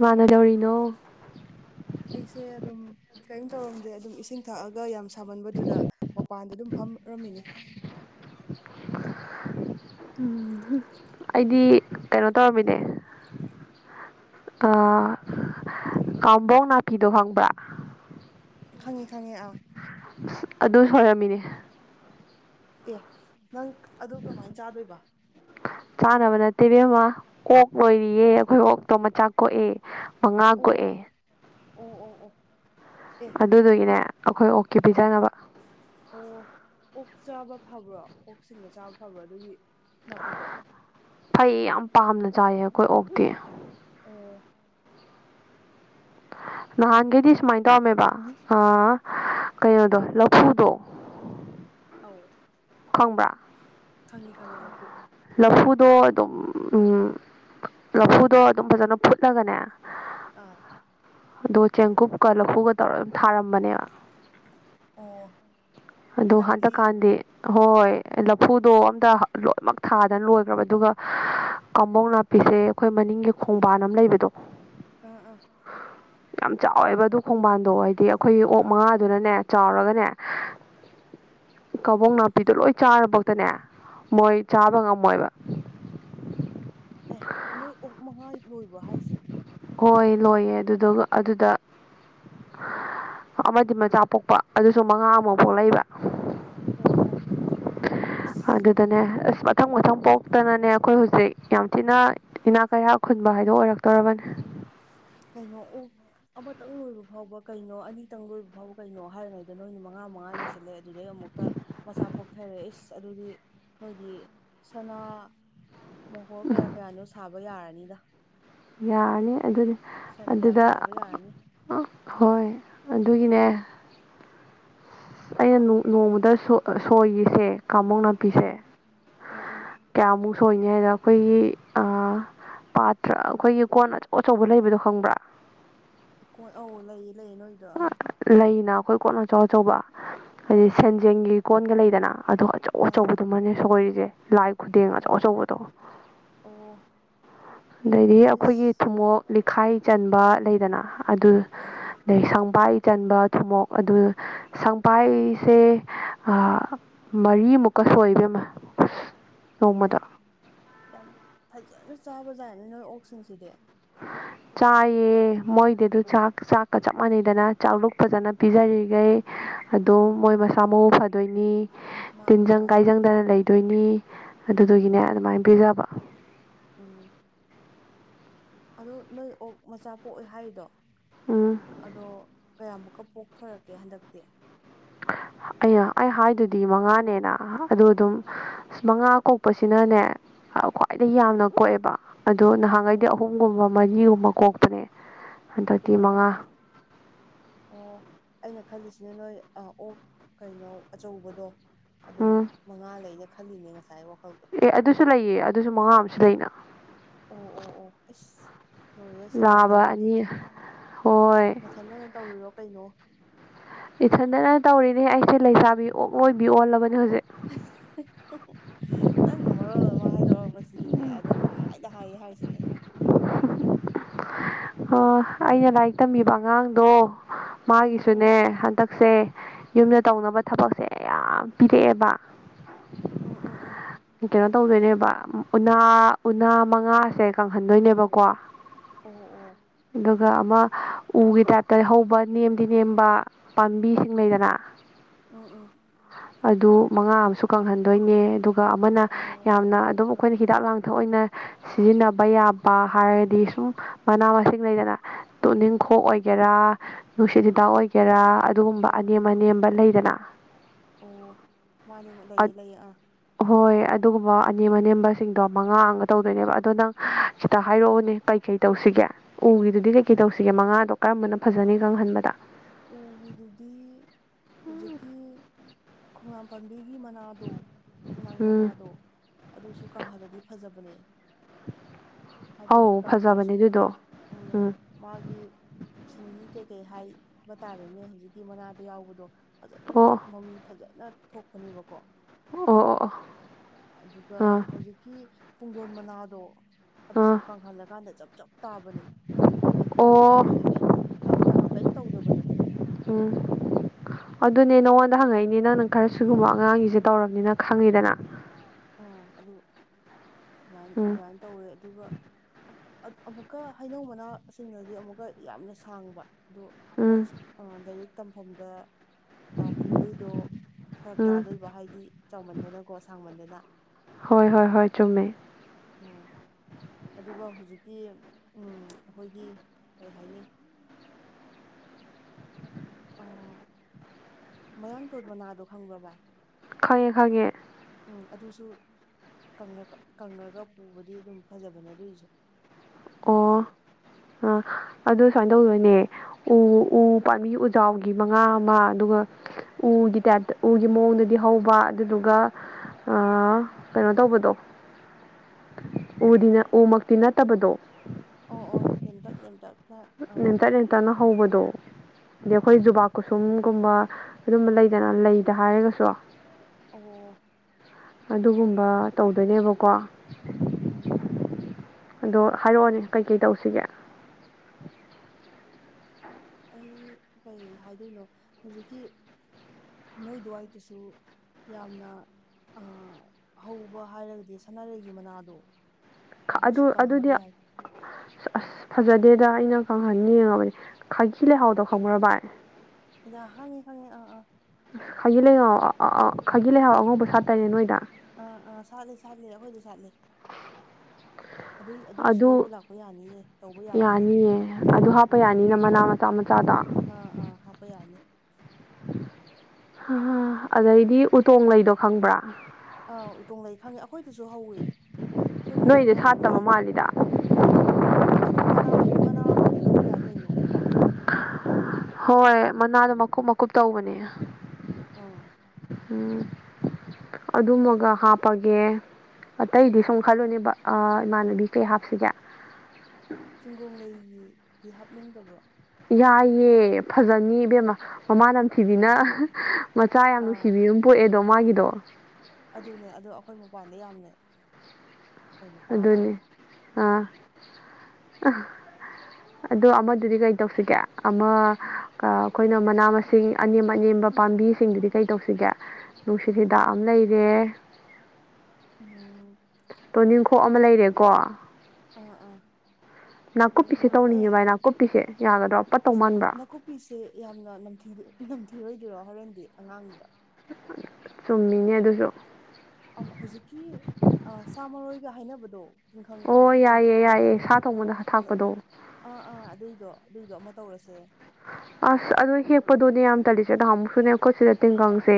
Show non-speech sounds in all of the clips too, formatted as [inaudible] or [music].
ꯃꯥꯟꯅꯗꯧꯔꯤꯅꯣ ꯑꯩꯁꯦ ꯑꯗꯨꯝ ꯀꯔꯤꯝ ꯇꯧꯔꯝꯗꯦ ꯑꯗꯨꯝ ꯏꯁꯤꯡ ꯊꯛꯑꯒ ꯌꯥꯝ ꯁꯥꯃꯟꯕꯗꯨꯗ ꯃꯄꯥꯟꯗ ꯑꯗꯨꯝ ꯐꯝꯔꯝꯃꯤꯅꯤ ꯎꯝ ꯑꯩꯗꯤ ꯀꯩꯅꯣ ꯇꯧꯔꯔꯕꯅꯦ ꯀꯝꯕꯣꯡ ꯅꯥꯄꯤꯗꯣ ꯍꯪꯕ꯭ꯔ ꯈꯪꯉꯦ ꯈꯪꯉꯦ ꯑꯥ ꯑꯗꯨ ꯁꯣꯏꯔꯝꯃꯤꯅꯦ ꯑꯦ ꯅꯪ ꯑꯗꯨ ꯀꯃꯥꯏꯅ ꯆꯥꯗꯣꯏꯕ ꯇꯦꯕꯤꯦꯝꯃ ꯑꯣꯛ ꯂꯣꯏꯔꯤꯌꯦ ꯑꯩꯈꯣꯏ ꯑꯣꯛꯇꯣ ꯃꯆꯥ ꯀꯣꯛꯑ ꯃꯉꯥ ꯑꯣ ꯀꯣꯛꯑꯦ ꯑꯣ ꯑꯣ ꯑꯣ ꯑꯦ ꯑꯗꯨꯗꯨꯒꯤꯅꯦ ꯑꯗꯨ ꯑꯩꯈꯣꯏ ꯑꯣꯀꯀꯤ ꯑꯥ ꯄꯤꯖꯅꯕ ꯑꯣ ꯑꯣꯛ ꯆꯥꯕ ꯐꯕ꯭ꯔꯣ ꯑꯣꯛ ꯁꯤꯡꯒ ꯆꯥꯕ ꯐꯕ꯭ꯔꯣ ꯑꯗꯨꯒꯤ ꯅꯥꯄꯤꯗꯣ ꯐꯩ ꯌꯥꯝ ꯄꯥꯝꯅ ꯆꯥꯏꯌꯦ ꯑꯩꯈꯣꯏ ꯑꯣꯛꯇꯤ ꯑꯣ ꯅꯍꯥꯟꯒꯩꯗꯤ ꯁꯨꯃꯥꯏꯅ ꯇꯧꯔꯝꯃꯦꯕ ꯀꯩꯅꯣꯗꯣ ꯂꯐꯨꯗꯣ ꯑ ꯈꯣꯡꯕ꯭ꯔꯥ ꯈꯪꯉꯤ ꯈꯪꯉꯤ ꯂꯐꯨ ꯗꯣ ꯑꯗꯨꯝ ꯎ ꯂꯐꯨꯗꯣ ꯑꯗꯨꯝ ꯐꯖꯅ ꯐꯨꯠꯂꯒꯅꯦ ꯑꯥ ꯑꯗꯣ ꯆꯦꯡꯀꯨꯞꯀ ꯂꯐꯨꯒ ꯇꯧꯔꯒ ꯑꯗꯨꯝ ꯊꯥꯔꯝꯕꯅꯦꯕ ꯑꯣ ꯑꯗꯣ ꯍꯟꯗꯛꯇꯤ ꯍꯟꯗꯛꯀꯥꯟꯗꯤ ꯍꯣꯏ ꯂꯐꯨꯗꯣ ꯑꯝꯇ ꯂꯣꯏꯅꯃꯛ ꯊꯥꯗꯅ ꯂꯣꯏꯈ꯭ꯔꯕ ꯑꯗꯨꯒ ꯀꯥꯡꯕꯧ ꯅꯥꯄꯤꯁꯦ ꯑꯩꯈꯣꯏ ꯃꯅꯤꯡꯒꯤ ꯈꯣꯡꯕꯥꯟ ꯑꯃ ꯂꯩꯕꯗꯣ ꯑꯥ ꯑꯥ ꯌꯥꯝ ꯆꯥꯎꯋꯦꯕ ꯑꯗꯨ ꯈꯣꯡꯕꯥꯟꯗꯣ ꯍꯥꯏꯗꯤ ꯑꯩꯈꯣꯏꯒꯤ ꯑꯥ ꯑꯣꯛ ꯑꯥ ꯃꯉꯥꯗꯨꯅꯅꯦ ꯆꯥꯎꯔꯒꯅꯦ [inaudible] ꯀꯕꯨꯡ ꯅꯥꯄꯤꯗꯣ ꯂꯣꯏ ꯆꯥꯐꯛꯇꯅꯦ ꯃꯣꯏ ꯆꯥꯕ ꯉꯝꯃꯣꯏꯕ [inaudible] ꯑꯦ ꯅꯣꯏ ꯑꯣꯛ ꯃꯉꯥ ꯂꯣꯏꯕ꯭ꯔ ꯍꯥꯏꯁꯦ ꯍꯣꯏ ꯂꯣꯏꯌꯦ ꯑꯗꯨꯗꯨꯒ ꯑꯗꯨꯗ ꯑꯃꯗꯤ ꯃꯆꯥ ꯄꯣꯛꯄ ꯑꯗꯨꯁꯨ ꯃꯉꯥ ꯑꯃ ꯐꯥꯎ ꯂꯩꯕ ꯑꯣ ꯏꯁ ꯑꯗꯨꯗꯗꯅꯦ ꯃꯊꯪ ꯃꯊꯪ ꯄꯣꯛꯇꯅꯅꯦ ꯑꯩꯈꯣꯏ ꯍꯧꯖꯤꯛ ꯌꯥꯝ ꯊꯤꯅ ꯏꯅꯥꯛ ꯀꯌꯥꯥꯛ ꯈꯨ ꯝꯕ ꯍꯥꯏꯗꯣꯛ ꯑꯣꯏꯔꯛꯇꯣꯔꯔꯕꯅꯤ ꯀꯩꯅꯣ ꯑꯣ ꯑꯃꯇꯪ ꯂꯣꯏꯕ ꯐꯥꯎꯕ ꯀꯩꯅꯣ ꯑꯅꯤꯇꯪ ꯂꯣꯏꯕ ꯐꯥꯎꯕ ꯀꯩꯅꯣ ꯍꯥꯏꯔꯤꯉꯩꯗ ꯅꯣꯏꯅ ꯃꯉꯥ ꯃꯉꯥ ꯂꯣꯏꯁꯤꯜꯂꯦ ꯑꯗꯨꯗꯩ ꯑꯃꯨꯛ ꯑꯃꯨꯛꯀ ꯃꯆꯥ ꯄꯣꯛꯊꯔꯦ ꯏꯁ ꯑꯗꯨꯗꯤ ꯅꯣꯏꯒꯤ ꯁꯅꯥ ꯃꯣꯍꯣꯔ ꯀꯌꯥ ꯀꯌꯥꯅꯣ ꯁꯥꯕ ꯌꯥꯔꯅꯤꯗ ꯌꯥꯅꯤ ꯑꯗꯨꯗꯤ ꯁꯟ ꯌꯥꯝ ꯑꯗꯨꯗ ꯁꯥꯕ ꯌꯥꯔꯅꯤ ꯍꯣꯏ ꯑꯗꯨꯒꯤꯅꯦ ꯑꯩꯅ ꯅꯣꯡꯃꯗ ꯁꯣꯏꯒꯤꯁꯦ ꯀꯥꯡꯃꯧ ꯅꯥꯄꯤꯁꯦ ꯎꯝ ꯎꯝ ꯎꯝ ꯀꯌꯥꯃꯨꯛ ꯁꯣꯏꯅꯤ ꯍꯥꯏꯗ ꯑꯩꯈꯣꯏꯒꯤ ꯄꯥꯇ꯭ꯔ ꯑꯩꯈꯣꯏꯒꯤ ꯀꯣꯟ ꯑꯆꯧ ꯑꯆꯧꯕ ꯂꯩꯕꯗꯣ ꯈꯪꯕ꯭ꯔꯥ ꯀꯣꯏ ꯑꯧ ꯂꯩꯌꯦ ꯂꯩꯌꯦ ꯅꯣꯏꯗꯣ ꯑꯥ ꯂꯩꯅ ꯑꯩꯈꯣꯏ ꯀꯣꯟꯅ ꯑꯆꯥꯎ ꯑꯆꯧꯕ ꯑꯥ ꯍꯥꯏꯗꯤ ꯑꯥ ꯁꯦꯟꯖꯦꯜꯒꯤ ꯀꯣꯟꯒ ꯂꯩꯗꯅ ꯑꯗꯣ ꯑꯆꯧ ꯑꯥ ꯑꯥ ꯑꯆꯧꯕꯗꯨꯃꯅꯦ ꯁꯒꯣꯔꯤꯁꯦ ꯂꯥꯏ ꯈꯨꯗꯦꯡ ꯑꯆꯧ ꯑꯣ ꯑꯆꯧꯕꯗꯣ ꯑꯣ ꯑꯗꯩꯗꯤ ꯑꯩꯈꯣꯏꯒꯤ ꯏꯁ ꯊꯨꯝꯃꯣꯛ ꯂꯤꯈꯥꯏ ꯆꯟꯕ ꯂꯩꯗꯅ ꯑꯗꯨ ꯑꯥ ꯑꯥ ꯁꯪꯕꯥꯏ ꯆꯟꯕ ꯊꯨꯝꯃꯣꯛ ꯑꯗꯨ ꯁꯪꯕꯥꯏꯁꯦ ꯃꯔꯤꯃꯨꯛꯀ ꯁꯣꯏꯕꯝꯃꯦ ꯍꯩꯃꯥ ꯅꯣꯡꯃꯗ ꯌꯥꯝ ꯐꯖꯅ ꯆꯥꯕꯖꯥꯔꯅꯦ ꯅꯣꯏ ꯑꯣꯛꯁꯤꯡꯁꯤꯗꯤ ꯍ ꯆꯥꯏꯌꯦ ꯃꯣꯏꯗꯤ ꯑꯗꯨ ꯆꯥꯛ ꯆꯥꯛꯀ ꯆꯞ ꯃꯥꯟꯅꯩꯗꯅ ꯆꯥꯛꯂꯨꯛ ꯐꯖꯅ ꯄꯤꯖꯔꯤꯈꯩ ꯑꯗꯨꯝ ꯎꯝ ꯃꯣꯏ ꯃꯁꯥ ꯃꯎ ꯐꯗꯣꯏꯅꯤ ꯃꯥꯅꯦ ꯇꯤꯟꯖꯪ ꯃꯥꯅꯦ ꯀꯥꯏꯖꯪꯗꯅ ꯂꯩꯗꯣꯏꯅꯤ ꯑꯗꯨꯗꯨꯒꯤꯅꯦ ꯑꯗꯨꯃꯥꯏꯅ ꯄꯤꯖꯕ ꯑꯣ ꯑꯗ ꯅꯣꯏ ꯑꯣꯛ ꯃꯆꯥ ꯄꯣꯛꯑꯦ ꯍꯥꯏꯔꯤꯗꯣ ꯎꯝ ꯑꯗꯣ ꯀꯌꯥꯃꯨꯛ ꯀꯄꯣꯛ ꯊꯣꯔꯛꯀꯦ ꯍꯟꯗꯛꯇꯤ ꯑ ꯑꯩ ꯍꯥꯏꯗꯨꯗꯤ ꯃꯉꯥꯅꯦꯅ ꯑꯗꯨ ꯑꯗꯨꯝ ꯑꯁ ꯃꯉꯥ ꯀꯣꯛꯄꯁꯤꯅꯅꯦ ꯈ꯭ꯋꯥꯏꯗꯒꯤꯩ ꯌꯥꯝꯅ ꯀꯣꯛꯑꯦꯕ ꯑꯗꯨꯗ ꯅꯍꯥꯟꯈꯩꯗꯤ ꯑꯣ ꯑꯍꯨꯝꯒꯨꯝꯕ ꯃꯔꯤꯒꯨꯝꯕ ꯀꯣꯛꯄꯅꯦ ꯍꯟꯗꯇꯤ ꯑꯣ ꯑꯣ ꯃꯉꯥ ꯑꯣ ꯁꯤꯅ ꯅꯣꯏ ꯑꯣꯛ ꯀꯩꯅꯣ ꯑꯆꯧꯕꯗꯣ ꯑꯗꯨꯝ ꯎꯝ ꯃꯉꯥ ꯂꯩ ꯈꯜꯂꯤꯅꯦ ꯉꯁꯥꯏ ꯋꯥꯈꯜꯗꯣ ꯑꯦ ꯑꯗꯨꯁꯨ ꯂꯩꯌꯦ ꯑꯗꯨꯁꯨ ꯃꯉꯥ ꯑꯃꯁꯨ ꯂꯩꯅ ꯑꯣ ꯑꯣ ꯑꯣ ꯂꯣꯏꯔꯦ ꯁꯦꯕꯥ ꯅꯥꯕ ꯇꯧꯕꯗꯤ ꯑꯅꯤ ꯍꯣꯏ ꯅꯊꯟꯗꯅ ꯇꯧꯔꯤꯔꯣ ꯀꯩꯅꯣ ꯏꯊꯟꯗꯅ ꯇꯧꯔꯤꯅꯦ ꯑꯩꯁꯦ ꯂꯩꯁꯥꯕꯤ ꯑꯣꯏꯕꯤ ꯑꯣꯜꯂꯕ ꯅꯪ ꯅ ꯃꯔꯔꯣ ꯍꯥꯏꯥꯏꯗꯣꯔꯛꯄ ꯁꯤꯅꯦ ꯑꯗꯨꯝ ꯄꯨꯡꯍꯥꯏꯗ ꯍꯥꯏꯌꯦ ꯍꯥꯏꯔꯤꯁꯤꯅꯦ ꯑꯩꯅ ꯂꯥꯏꯔꯤꯛ ꯇꯝꯕꯤꯕ ꯑꯉꯥꯡꯗꯣ ꯎꯝ ꯃꯥꯒꯤꯁꯨꯅꯦ ꯎꯝ ꯍꯟꯗꯛꯁꯦ ꯌꯨꯝꯗ ꯇꯧꯅꯕ ꯊꯕꯛꯁꯦ ꯌꯥꯝ ꯄꯤꯔꯛꯑꯦꯕ ꯎꯝ ꯎꯝ ꯎꯝ ꯀꯩꯅꯣ ꯇꯧꯗꯣꯏꯅꯦꯕ ꯎꯅꯥ ꯎꯅꯥ ꯃꯉꯥꯁꯦ ꯀꯪꯍꯟꯗꯣꯏꯅꯦꯕꯀꯣ ꯑꯣ ꯑꯣ ꯑꯗꯨꯒ ꯑꯃ ꯎꯒꯤ ꯇꯥꯏꯞꯇ ꯍꯧꯕ ꯅꯦꯝꯗꯤ ꯅꯦꯝꯕ ꯄꯥꯝꯕꯤꯁꯤꯡ ꯂꯩꯗꯅ ꯎ ꯑꯣ ꯑꯗꯨ ꯃꯉꯥ ꯑꯃꯁꯨ ꯀꯪꯍꯟꯗꯣꯏꯅꯦ ꯑꯗꯨꯒ ꯑꯃꯅ ꯑꯣ ꯌꯥꯝꯅ ꯑꯗꯨꯝ ꯑꯩꯈꯣꯏꯅ ꯍꯤꯗꯥꯛ ꯂꯥꯡꯊꯛ ꯑꯣꯏꯅ ꯁꯤꯖꯤꯟꯅꯕ ꯌꯥꯕ ꯍꯥꯏꯔꯗꯤ ꯁꯨꯝ ꯃꯅꯥ ꯃꯁꯤꯡ ꯂꯩꯒꯦꯗ ꯎꯝ ꯇꯣꯅꯤꯡꯈꯣꯛ ꯎꯝ ꯑꯣꯏꯒꯦꯔꯥ ꯅꯨꯡꯁꯤꯠ ꯑꯥ ꯍꯤꯗꯥꯛ ꯑꯥ ꯑꯣꯏꯒꯦꯔꯥ ꯑꯗꯨꯒꯨꯝꯕ ꯑꯥ ꯑꯅꯦꯝ ꯑꯅꯦꯝꯕ ꯂꯩ ꯑꯣ ꯃꯥꯅꯦ ꯂꯩꯑ ꯂꯩꯌꯦ ꯑꯥ ꯍꯣꯏ ꯑꯗꯨꯒꯨꯝꯕ ꯑꯅꯦꯝ ꯑꯅꯦꯝꯕꯁꯤꯡꯗꯣ ꯃꯉꯥ ꯑꯃꯒ ꯇꯧꯗꯣꯏꯅꯦꯕ ꯑꯗꯣ ꯅꯪ ꯁꯤꯗ ꯍꯥꯏꯔꯛꯎꯅꯦ ꯀꯩꯀꯩ ꯇꯧꯁꯤꯒꯦ ꯎꯒꯤꯗꯨꯗꯤ ꯀꯩꯀꯩ ꯇꯧꯁꯤꯒꯦ ꯃꯉꯥꯗꯣ ꯀꯔꯝꯕꯅ ꯐꯖꯅꯤ ꯈꯪꯍꯟꯕꯗ ꯎꯒꯤꯗꯨꯗꯤ ꯍꯧꯖꯤꯛꯀꯤ ꯈꯣꯡꯅꯥꯝꯄꯟ ꯕꯤꯒꯤ ꯃꯅꯥꯗꯣ ꯈꯣꯡꯅꯥꯡ ꯎꯝ ꯃꯅꯥꯗꯣ ꯑꯗꯨꯁꯨ ꯀꯪꯍꯜꯂꯗꯤ ꯐꯖꯕꯅꯦ ꯍꯥꯏꯕꯗꯤ ꯑꯧ ꯐꯖꯕꯅꯦ ꯀꯥꯡꯪꯈꯜꯂꯁꯨ ꯑꯗꯨꯗꯣ ꯎꯝ ꯃꯥꯒꯤ ꯁꯤꯡꯂꯤ ꯀꯩ ꯀꯩ ꯍꯥꯏꯕ ꯇꯥꯔꯦꯅꯦ ꯍꯧꯖꯤꯛꯀꯤ ꯃꯅꯥꯗ ꯌꯥꯎꯕꯗꯣ ꯐꯖꯅ ꯑꯣ ꯃꯃꯤ ꯐꯖ ꯅ ꯊꯣꯛꯄꯅꯦꯕꯀꯣ ꯑꯣ ꯑꯣ ꯑꯣ ꯑꯗꯨꯒ ꯑꯥ ꯍꯧꯖꯤꯛꯀꯤ ꯄꯨꯡꯗꯣꯟ ꯃꯅꯥꯗꯣ ꯑꯗꯨꯁꯨ ꯑꯥ ꯀꯪꯍꯜꯂꯀꯥꯟꯗ ꯆꯞ ꯆꯞ ꯇꯥꯕꯅꯤ ꯇꯦꯛꯊꯔꯛꯄ ꯑꯣ ꯀꯩ ꯀꯩ ꯀꯔꯤꯝ ꯇꯠꯄꯗꯣ ꯀꯩꯝ ꯇꯧꯗꯕꯅꯦ ꯎ ꯑꯗꯨꯅꯦ ꯅꯉꯣꯟꯗ ꯍꯪꯉꯛꯏꯅꯦ ꯅꯪꯅꯪ ꯈꯔ ꯁꯤꯒꯨꯝꯕ ꯑꯉꯥꯡꯒꯤꯁꯦ ꯇꯧꯔꯕꯅꯤꯅ ꯈꯪꯉꯤꯗꯅ ꯑꯥ ꯑꯗꯨ ꯑꯗꯨꯃ ꯎꯝ ꯑꯗꯨꯃꯥꯏꯅ ꯇꯧꯋꯦ ꯑꯗꯨꯒ ꯑꯃꯨꯛꯀ ꯍꯩꯅꯧ ꯃꯅꯥꯁꯤꯡꯅꯗꯤ ꯑꯃꯨꯛꯀ ꯌꯥꯝꯅ ꯁꯥꯡꯕ ꯑꯣ ꯃꯣꯏ ꯎꯝ ꯂꯥꯏꯔꯤꯛ ꯇꯝꯐꯝꯗ ꯄꯨꯗꯣꯏꯗꯣ ꯐꯔꯛ ꯎꯝ ꯇꯥꯗꯣꯏꯕ ꯍꯥꯏꯗꯤ ꯆꯥꯎꯃꯟꯗꯅꯀꯣ ꯁꯥꯡꯃꯟꯗꯅ ꯍꯣꯏ ꯍꯣꯏ ꯍꯣꯏ ꯆꯨꯝꯃꯦ ꯎꯝ ꯑꯗꯨꯒ ꯍꯧꯖꯤꯛꯀꯤ ꯑꯩꯈꯣꯏꯒꯤ ꯀꯔꯤ ꯍꯥꯏꯅꯤ ꯃꯌꯥꯡ ꯇꯣꯟ ꯃꯅꯥꯗꯣ ꯈꯪꯕ꯭ꯔ ꯚꯏ ꯈꯪꯉꯦ ꯈꯪꯉꯦ ꯎꯝ ꯑꯗꯨꯁꯨ ꯀꯪꯉꯒ ꯄꯨꯕꯗꯤ ꯑꯗꯨꯝ ꯐꯖꯕꯅꯦ ꯑꯗꯨꯒꯤꯁꯨ ꯌꯥꯕꯅꯦ ꯑꯣ ꯑ ꯑꯗꯨ ꯁꯨꯃꯥꯏꯅ ꯇꯧꯗꯣꯏꯅꯦ ꯎ ꯎ ꯄꯥꯝꯕꯤ ꯆꯥꯎꯒꯤ ꯃꯉꯥ ꯑꯃ ꯑꯗꯨꯒ ꯎꯒꯤ ꯇꯥꯏꯞꯇ ꯎꯒꯤ ꯃꯑꯣꯡꯗꯗꯤ ꯍꯧꯕ ꯑꯗꯨꯗꯨꯒ ꯀꯩꯅꯣ ꯇꯧꯕꯗꯣ ꯎꯗꯤ ꯎꯃꯛꯇꯤ ꯅꯠꯇꯕꯗꯣ ꯑꯣ ꯑꯣ ꯅꯦꯦꯝꯇꯛ ꯅꯦꯝꯇꯛ ꯑꯥ ꯂꯦꯝꯇ ꯂꯦꯝꯇꯅ ꯍꯧꯕꯗꯣ ꯑꯗꯤ ꯑꯥ ꯑꯥ ꯑꯩꯈꯣꯏ ꯖꯨꯕꯥ ꯀꯨꯁꯨꯝ ꯨꯝꯕ ꯑꯗꯨꯝꯕ ꯂꯩꯗꯅ ꯂꯩꯗ ꯍꯥꯏꯔꯒꯁꯨ ꯑꯕꯨꯣ ꯑꯗꯨꯒꯨꯝꯕ ꯇꯧꯗꯣꯏꯅꯦꯕꯀꯣ ꯎꯝ ꯑꯗꯣ ꯍꯥꯏꯔꯛꯑꯣꯅꯦ ꯀꯩꯀꯩ ꯇꯧꯁꯤꯒꯦ ꯑꯩ ꯀꯩ ꯍꯥꯏꯗꯣꯏꯅꯣ ꯍꯧꯖꯤꯛꯀꯤ ꯅꯣꯏ ꯗꯨꯋꯥꯏꯗꯨꯁꯨ ꯌꯥꯝꯅ ꯍꯧꯕ ꯍꯥꯏꯔꯒꯗꯤ ꯁꯥꯟꯅꯔꯩꯒꯤ ꯃꯅꯥꯗꯣ ꯑꯗꯨꯁꯨ ꯑꯗꯨ ꯑꯗꯨꯗꯤ ꯀꯪꯍꯟꯕ ꯌꯥꯏ ꯑꯁ ꯐꯖꯗꯦꯗ ꯑꯩꯅ ꯀꯪꯍꯟ ꯌꯦꯡꯉꯕꯅꯤ ꯈꯥꯒꯤ ꯂꯩꯍꯥꯎꯗꯣ ꯈꯪꯈ꯭ꯔ ꯚꯏ ꯗ ꯍꯪꯉꯤ ꯈꯪꯉꯦ ꯑꯥ ꯑꯥ ꯈꯥꯒꯤ ꯂꯩꯍꯥꯎ ꯈꯥꯒꯤ ꯂꯩꯍꯥꯎ ꯑꯉꯧꯕ ꯁꯥꯠꯇꯔꯦ ꯅꯣꯏꯗ ꯑꯥ ꯑꯥ ꯁꯥꯠꯂꯤ ꯁꯥꯠꯂꯤ ꯑꯩꯈꯣꯏꯗ ꯁꯥꯠꯂꯤ ꯑꯗꯨꯏ ꯑꯗꯨꯏꯁꯨ ꯂꯧꯕ ꯑꯗꯨ ꯂꯥꯛꯄ ꯌꯥꯅꯤꯌꯦ ꯇꯧꯕ ꯌꯥꯅꯤꯑ ꯌꯥꯅꯤꯌꯦ ꯑꯗꯨ ꯍꯥꯞꯄ ꯎꯝ ꯌꯥꯅꯤꯅ ꯃꯅꯥ ꯃꯆꯥ ꯃꯆꯥꯗꯣ ꯑꯥ ꯑꯥ ꯍꯥꯞꯄ ꯌꯥꯅꯤ ꯑꯗꯩꯗꯤ ꯎꯇꯣꯡ ꯂꯩꯗꯣ ꯈꯪꯕ꯭ꯔꯥ ꯑꯥ ꯎꯇꯣꯡ ꯂꯩ ꯈꯪꯉꯦ ꯑꯩꯈꯣꯏꯗꯁꯨ ꯍꯧꯋꯦ ꯑꯩꯈꯣꯏꯕꯣꯛꯅ ꯅꯣꯏꯗꯤ ꯊꯥꯕ ꯁꯥꯠꯇꯕ ꯂꯩꯌꯦ ꯃꯥꯜꯂꯤꯗ ꯃꯗꯨ ꯃꯅꯥ ꯃꯅꯥꯕꯨꯗꯤ ꯂꯧꯕ ꯌꯥꯏ ꯀꯩꯅꯣ ꯍꯣꯏ ꯃꯅꯥꯗꯣ ꯃꯀꯨꯞ ꯃꯀꯨꯞ ꯇꯧꯕꯅꯦ ꯑ ꯎ ꯑꯗꯨꯃꯒ ꯍꯥꯞꯄꯒꯦ ꯑꯇꯩꯗꯤ ꯁꯨꯝ ꯑꯧ ꯈꯜꯂꯨꯅꯦꯕ ꯏꯃꯥꯟꯅꯕꯤ ꯀꯩ ꯍꯥꯞꯁꯤꯒꯦ ꯆꯤꯡꯒꯣ ꯂꯩꯒꯤꯗꯤ ꯍꯥꯞꯅꯤꯡꯗꯕ꯭ꯔꯣ ꯌꯥꯥꯏꯌꯦ ꯐꯖꯅꯤ ꯏꯕꯦꯝꯃ ꯃꯃꯥꯅꯝꯊꯤꯕꯤꯅ ꯑꯥ ꯃꯆꯥ ꯌꯥꯝ ꯑꯥ ꯅꯨꯡꯁꯤꯕꯤꯅ ꯄꯣꯛꯑꯦꯗꯣ ꯃꯥꯒꯤꯗꯣ ꯑꯗꯨꯅꯦ ꯑꯗꯣ ꯑꯩꯈꯣꯏ ꯃꯄꯥꯟꯗ ꯌꯥꯝꯅꯦ ꯑꯗꯨꯅꯤ ꯑꯥ ꯑꯗꯣ ꯑꯃꯗꯨꯗꯤ ꯀꯩ ꯇꯧꯁꯤꯒꯦ ꯑꯃ ꯑꯩꯈꯣꯏꯅ ꯃꯅꯥ ꯃꯁꯤꯡ ꯑꯅꯦꯝ ꯑꯅꯦꯝꯕ ꯄꯥꯝꯕꯤꯁꯤꯡꯗꯨꯗꯤ ꯀꯩ ꯇꯧꯁꯤꯒꯦ ꯅꯨꯡꯁꯤꯠ ꯍꯤꯗꯥꯛ ꯑꯃ ꯂꯩꯔꯦ ꯑꯣꯝ ꯇꯣꯅꯤꯡꯈꯣꯛ ꯑꯃ ꯂꯩꯔꯦꯀꯣ ꯑꯥ ꯑꯥ [unintelligible] ꯑꯦ ꯇꯧꯅꯤꯡꯉꯦ ꯚꯥꯏ ꯅꯥꯀꯨꯞꯄꯤꯁꯦ ꯌꯥꯒꯗ꯭ꯔꯣ ꯄꯠꯇꯧ ꯑꯁ ꯃꯥꯟꯕ꯭ꯔꯥ ꯅꯥꯀꯨꯞꯄꯤꯁꯦ ꯌꯥꯝꯅꯊꯝꯊ ꯏꯤꯔꯣꯏꯗꯔꯣ ꯍꯣꯔꯦꯟꯗꯤ ꯑꯉꯥꯡꯗ ꯆꯨꯝꯃꯤꯅꯦ ꯑꯗꯨꯁꯨ ꯍꯧꯖꯤꯛꯀꯤ ꯁꯥ ꯃꯔꯣꯏꯒ ꯍꯥꯏꯅꯕꯗꯣ ꯇꯤꯡꯈꯪ ꯑꯣ ꯌꯥꯏꯌꯦ ꯀꯨꯝꯃꯥꯏꯅ ꯌꯥꯏꯌꯦ ꯁꯥ ꯊꯣꯡꯕꯗ ꯑꯥ ꯊꯥꯛꯄꯗꯣ ꯑꯥ ꯑꯥ ꯑꯗꯨꯏꯗꯣ ꯑꯗꯨꯏꯗꯣ ꯑꯃ ꯇꯧꯔꯁꯦ ꯑꯁ ꯑꯗꯨꯣ ꯍꯦꯛꯞꯄꯗꯣꯅꯤ ꯌꯥꯝ ꯇꯁꯦꯗꯨꯛꯁꯨ ꯑꯩ ꯀꯣꯠꯁꯤꯗ ꯇꯦꯡꯒꯪꯁꯦ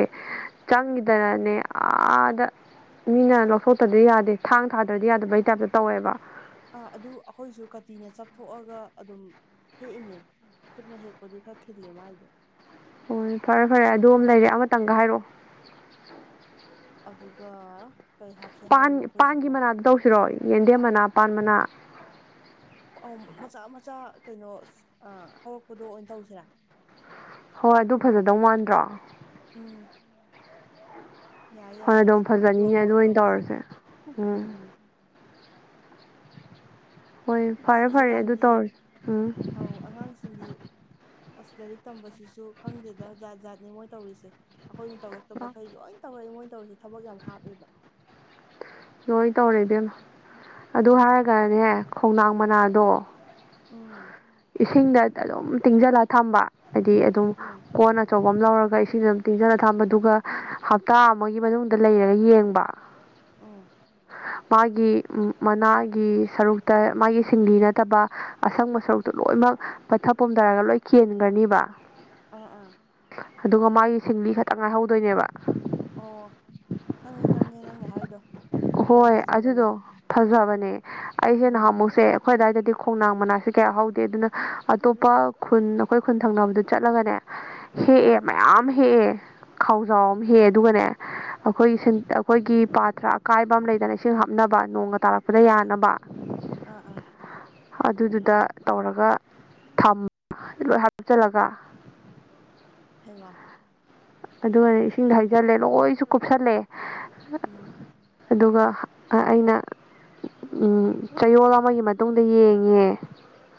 ꯆꯪꯈꯤꯗꯅꯅꯦ ꯑꯥꯗ ꯃꯤꯅ ꯂꯧꯊꯣꯛꯇꯗꯤ ꯌꯥꯗꯦ ꯊꯥꯡ ꯊꯥꯗ꯭ꯔꯗꯤ ꯌꯥꯗꯕꯩ ꯇꯥꯏꯞꯇ ꯇꯧꯋꯦꯕ ꯑꯥ ꯑꯗꯨ ꯑꯩꯈꯣꯏꯁꯨ ꯀꯥꯇꯤꯅ ꯆꯥꯊꯣꯛꯑꯒ ꯑꯗꯨꯝ ꯍꯦꯛꯏꯅꯦ ꯈꯨꯠꯅ ꯍꯦꯛꯄꯗꯤ ꯈꯔ ꯊꯤꯜꯂꯦ ꯃꯥꯥꯏꯗꯣ ꯍꯣꯏ ꯐꯔꯦ ꯐꯔꯦ ꯑꯗꯨꯝ ꯂꯩꯔꯦ ꯑꯃꯇꯪꯒ ꯍꯥꯏꯔꯛꯑꯣ ꯑꯗꯨꯒ ꯀꯩ ꯍꯥꯞꯁꯦ ꯄꯥꯟ ꯍꯥꯏꯔꯤꯅꯣ ꯄꯥꯟꯒꯤ ꯑꯩꯈꯣꯏꯁꯤꯕꯣ ꯃꯅꯥꯗ ꯇꯧꯁꯤꯔꯣ ꯌꯦꯟꯗꯦꯝ ꯃꯅꯥ ꯄꯥꯟ ꯃꯅꯥ ꯃꯆꯥ ꯃꯆꯥ ꯀꯩꯅꯣ ꯍꯧꯔꯛꯄꯗꯣ ꯑꯣꯏꯅ ꯇꯧꯁꯤꯔꯦ ꯍꯣꯏ ꯑꯗꯨ ꯐꯖꯗꯧ ꯃꯥꯟꯗ꯭ꯔꯣ ꯎꯝ ꯍꯣꯏ ꯑꯗꯨꯝ ꯐꯖꯅꯤꯅꯦ ꯑꯗꯨ ꯑꯣꯏꯅ ꯇꯧꯔꯁꯦ ꯎꯝ ꯍꯣꯏ ꯑꯁ ꯐꯔꯦ ꯐꯔꯦ ꯑꯗꯨ ꯍꯧꯖꯤꯛꯀꯥꯟꯒꯤ ꯇꯧꯔ ꯎꯝ ꯑꯧ ꯑꯉꯥꯡꯁꯤꯡꯒꯤ ꯑꯁ ꯂꯥꯏꯔꯤꯛ ꯇꯝꯕꯁꯤꯁꯨ ꯈꯪꯗꯦꯗ ꯖꯥꯠ ꯖꯥꯠꯅꯦ ꯃꯣꯏ ꯇꯧꯔꯤꯁꯦ ꯑꯩꯈꯣꯏꯅ ꯇꯧꯔꯛꯇꯕꯈꯩ ꯂꯣꯏ ꯇꯧꯔꯛꯑꯏ ꯃꯣꯏ ꯇꯧꯔꯁꯦ ꯊꯕꯛ ꯌꯥꯝ ꯍꯥꯞꯄꯦꯕ ꯂꯣꯏ ꯇꯧꯔꯦ ꯏꯗꯦꯝꯅ ꯑꯗꯨ ꯎꯝ ꯍꯥꯏꯔꯒꯅꯦ ꯈꯣꯡꯅꯥꯡ ꯃꯅꯥꯗꯣ ꯎ ꯏꯁꯤꯡꯗ ꯑꯗꯨꯝ ꯇꯤꯡꯁꯤꯜꯂ ꯊꯝꯕ ꯍꯥꯏꯗꯤ ꯑꯗꯨꯝ ꯎꯝ ꯀꯣꯟ ꯑꯆꯧꯕ ꯑꯃ ꯂꯧꯔꯒ ꯏꯁꯤꯡ ꯑꯗꯨꯝ ꯇꯤꯟꯖꯅ ꯊꯝꯕ ꯑꯗꯨꯒ ꯍꯞꯇꯥ ꯑꯃꯒꯤ ꯃꯅꯨꯡꯗ ꯂꯩꯔꯒ ꯌꯦꯡꯕ ꯎꯝ ꯃꯥꯒꯤ ꯃꯅꯥꯒꯤ ꯁꯔꯨꯛꯇ ꯃꯥꯒꯤ ꯁꯤꯡꯂꯤ ꯅꯠꯇꯕ ꯑꯁꯪꯕ ꯁꯔꯨꯛꯇ ꯂꯣꯏꯅꯃꯛ ꯄꯠꯊꯛ ꯄꯣꯨꯝꯊꯔꯒ ꯂꯣꯏ ꯀꯦꯟꯈ꯭ꯔꯅꯤꯕ ꯑꯥ ꯑꯥ ꯑꯗꯨꯒ ꯃꯥꯒꯤ ꯁꯤꯡꯂꯤ ꯈꯛꯇꯪ ꯉꯥꯏꯍꯧꯗꯣꯏꯅꯦꯕ ꯑꯣ ꯈꯪꯉꯦ ꯈꯪꯉꯦ ꯅꯪꯅ ꯍꯥꯏꯗꯣ ꯍꯣꯏ ꯑꯗꯨꯗꯣ ꯐꯖꯕꯅꯦ ꯑꯩꯁꯦ ꯎꯝ ꯅꯍꯥꯟꯃꯨꯛꯁꯦ ꯑꯩꯈꯣꯏ ꯑꯗꯥꯋꯥꯏꯗꯗꯤ ꯈꯣꯡꯅꯥꯡ ꯃꯅꯥꯁꯦ ꯀꯌꯥ ꯍꯧꯗꯦ ꯑꯗꯨꯅ ꯑꯇꯣꯞꯄ ꯈꯨꯟ ꯑꯩꯈꯣꯏ ꯈꯨꯟ ꯊꯪꯅꯕꯗ ꯆꯠꯂꯒꯅꯦ ꯍꯦꯛꯑꯦ ꯎꯝ ꯃꯌꯥꯝ ꯑꯃ ꯍꯦꯛꯑꯦ ꯈꯥꯎꯖꯥꯎ ꯑꯃ ꯍꯦꯛꯑꯦ ꯑꯗꯨꯒꯅꯦ ꯑꯩꯈꯣꯏꯒꯤ ꯑꯩꯈꯣꯏꯒꯤ ꯄꯥꯊ꯭ꯔ ꯑꯀꯥꯏꯕ ꯑꯃ ꯂꯩꯗꯅ ꯏꯁꯤꯡ ꯍꯥꯞꯅꯕ ꯅꯣꯡ ꯇꯥꯔꯛꯄꯗ ꯑꯥ ꯌꯥꯅꯕ ꯑꯥ ꯑꯥ ꯑꯗꯨꯗꯨꯗ ꯇꯧꯔꯒ ꯊ ꯂꯣꯏ ꯍꯥꯗꯞꯆꯜꯂꯒ ꯍꯥꯏꯋꯥ ꯑꯗꯨꯒꯅꯦ ꯏꯁꯤꯡꯗ ꯍꯩꯖꯤꯜꯂꯦ ꯂꯣꯏꯁꯨ ꯀꯨꯞꯁꯜꯂꯦ ꯎꯪ ꯑꯗꯨꯒ ꯑꯩꯅ ꯎꯝ ꯆꯌꯣꯜ ꯑꯃꯒꯤ ꯃꯇꯨꯡꯗ ꯌꯦꯡꯉꯦ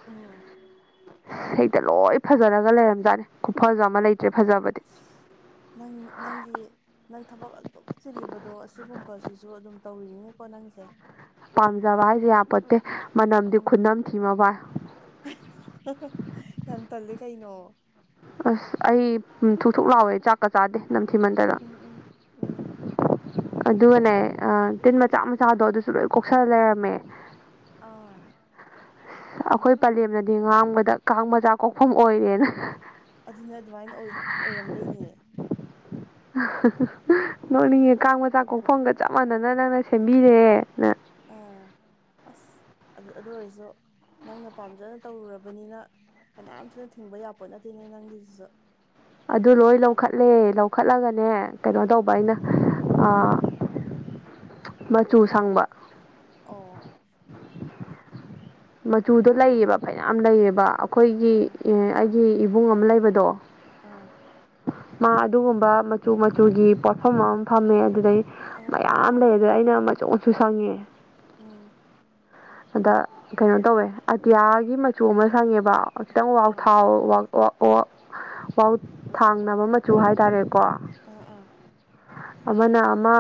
ꯑꯣ ꯍꯛꯇ ꯂꯣꯏ ꯐꯖꯔꯒ ꯂꯩꯔꯝꯖꯥꯠꯅꯦ ꯀꯨꯞꯐꯖ ꯑꯃ ꯂꯩ ꯑꯁ ꯅꯪ ꯅꯪꯒꯤ ꯅꯪ ꯊꯕꯛ ꯑꯗꯨꯛ ꯆꯤꯜꯂꯤꯕꯗꯣ ꯑꯁꯤꯒꯨꯝꯕꯁꯤꯁꯨ ꯑꯗꯨꯝ ꯇꯧꯔꯤꯅꯤꯅꯦꯀꯣ ꯅꯪꯁꯦ ꯄꯥꯝꯖꯕ ꯍꯥꯏꯁꯦ ꯌꯥꯄꯣꯠꯇꯦ ꯃꯅꯝꯗꯤ ꯎꯝ ꯈꯨꯠꯅꯝ ꯊꯤꯃ ꯏ ꯌꯥꯝ ꯇꯜꯂꯦ ꯀꯩꯅꯣ ꯑꯁ ꯑꯩ ꯊꯨ ꯊꯨꯛ ꯂꯥꯎꯑꯣꯦ ꯆꯥꯛꯀ ꯆꯥꯗꯦ ꯅꯝꯊꯤꯃꯟꯗꯅ ꯎꯝ ꯎꯝ ꯎꯝ ꯑꯗꯨꯒꯅꯦ ꯇꯤꯟ ꯃꯆꯥ ꯃꯆꯥꯗꯣ ꯑꯗꯨꯁꯨ ꯂꯣꯏ ꯀꯣꯛꯁꯜ ꯂꯩꯔꯝꯃꯦ ꯑ ꯑꯩꯈꯣꯏ ꯄꯂꯦꯝꯅꯗꯤ ꯉꯥꯡꯕꯗ ꯀꯥꯡ ꯃꯆꯥ ꯀꯣꯛꯐꯝ ꯑꯣꯏꯔꯦꯅ ꯑꯗꯨꯅ ꯑꯗꯨꯃꯥꯏꯅ ꯑꯣꯏꯔꯝꯗꯣꯏꯅꯦ ꯅꯣꯛꯅꯤꯡꯉꯦ ꯀꯥꯡ ꯃꯆꯥ ꯀꯣꯛꯐꯝꯒ ꯆꯞ ꯃꯥꯟꯅꯅ ꯅꯪꯅ ꯁꯦꯝꯕꯤꯔꯦ [inaudible] ꯑꯥ ꯑꯁ ꯑꯗꯨ ꯑꯗꯨ ꯑꯣꯏꯔꯁꯨ ꯅꯪꯅ ꯄꯥꯝꯖꯅ ꯇꯧꯔꯨꯔꯕꯅꯤꯅ ꯀꯅꯥꯝꯇꯅ ꯊꯤꯡꯕ ꯌꯥꯄꯣꯠ ꯅꯠꯇꯦꯅꯦ ꯅꯪꯒꯤꯁꯤꯁꯨ ꯑꯗꯨ ꯂꯣꯏ ꯂꯧꯈꯠꯂꯦ ꯂꯧꯈꯠꯂꯒꯅꯦ ꯀꯩꯅꯣ ꯇꯧꯕ ꯑꯩꯅ ꯃꯆꯨ ꯁꯪꯕ ꯑꯣ ꯃꯆꯨꯗ ꯂꯩꯌꯦꯕ ꯐꯌꯥꯝ ꯂꯩꯌꯦꯕ ꯑꯩꯈꯣꯏꯒꯤ ꯑꯥ ꯑꯩꯒꯤ ꯏꯕꯨꯡ ꯑꯃ ꯂꯩꯕꯗꯣ ꯑꯥ ꯃꯥ ꯑꯗꯨꯒꯨꯝꯕ ꯃꯆꯨ ꯃꯆꯨꯒꯤ ꯄꯣꯠꯐꯝ ꯑꯃ ꯐꯝꯃꯦ ꯑꯗꯨꯗꯩ ꯑꯣ ꯑꯣ ꯃꯌꯥꯝ ꯑꯣ ꯂꯩ ꯎꯝ ꯑꯗꯨꯗ ꯑꯩꯅ ꯃꯆꯨ ꯃꯆꯨ ꯁꯪꯉꯦ ꯎꯝ ꯑꯗ ꯀꯩꯅꯣ ꯇꯧꯋꯦ ꯑꯇꯤꯌꯥꯒꯤ ꯃꯆꯨ ꯑꯃ ꯁꯪꯉꯦꯕ ꯈꯤꯇꯪ ꯑꯥ ꯋꯥ ꯊꯥꯡꯅꯕ ꯃꯆꯨ ꯍꯥꯏꯇꯥꯔꯦ ꯑ ꯑꯥ ꯑꯃꯅ ꯑꯃ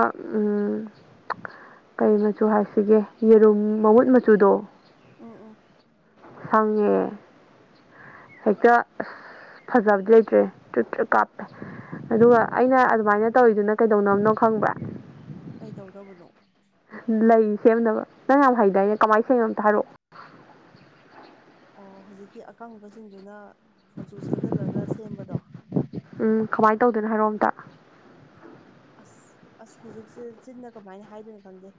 ꯀꯩ ꯃꯆꯨ ꯍꯥꯏꯁꯤꯒꯦ ꯌꯦꯔꯨꯝ ꯃꯃꯨꯠ ꯃꯆꯨꯗꯣ ꯎ ꯑꯣ ꯁꯪꯉꯦ ꯍꯦꯛꯇ ꯑꯁ ꯐꯖꯕꯗꯤ ꯂꯩꯇ꯭ꯔꯦ ꯆ ꯆ ꯀꯥꯞꯄꯦ ꯑꯗꯨꯒ ꯑꯣ ꯑꯩꯅ ꯑꯗꯨꯃꯥꯏꯅ ꯇꯧꯔꯤꯗꯨꯅ ꯀꯩꯗꯧꯅꯕꯅꯣ ꯈꯪꯕ꯭ꯔꯥ ꯀꯩꯗꯧꯗꯧꯕꯅꯣ ꯂꯩ ꯁꯦꯝꯅꯕ ꯅꯪ ꯌꯥꯝ ꯍꯩꯗꯥꯏꯅꯦ ꯀꯃꯥꯏꯅ ꯁꯦꯒꯦ ꯑꯝꯇ ꯍꯥꯏꯔꯑꯣ ꯑꯣ ꯍꯧꯖꯤꯛꯀꯤ ꯑꯀꯪꯕꯁꯤꯡꯗꯨꯅ ꯃꯆꯨ ꯁꯪꯖꯤꯜꯂꯒ ꯁꯦꯝꯕꯗꯣ ꯎꯝ ꯀꯃꯥꯏꯅ ꯇꯧꯗꯣꯏꯅꯣ ꯍꯥꯏꯔꯣ ꯑꯝꯇ ꯑꯁ ꯑꯁ ꯍꯧꯖꯤꯛꯁꯦ ꯆꯤꯟꯅ ꯀꯃꯥꯏꯅ ꯍꯥꯏꯗꯣꯏꯅꯣ ꯈꯪꯗꯦ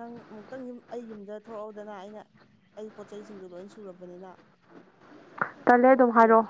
ꯅꯪ ꯑꯃꯨꯛꯇꯪꯨꯝ ꯑꯩ ꯌꯨꯝꯗ ꯊꯣꯛꯂꯛꯎꯗꯅ ꯑꯩꯅ ꯑꯩ ꯄꯣꯠ ꯆꯩꯁꯤꯡꯗꯣ ꯂꯣꯏ ꯁꯨꯔꯕꯅꯤꯅ ꯇꯜꯂꯦ ꯑꯗꯨꯝ ꯍꯥꯏꯔꯑꯣ ꯇꯥꯛꯄꯤꯔꯒꯦ